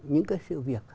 những cái sự việc